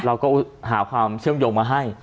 เราก็หาความเชื่อมโยงมาให้